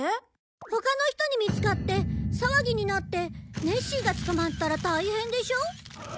他の人に見つかって騒ぎになってネッシーが捕まったら大変でしょ？